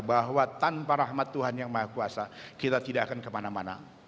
bahwa tanpa rahmat tuhan yang maha kuasa kita tidak akan kemana mana